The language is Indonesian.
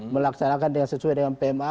melaksanakan sesuai dengan pma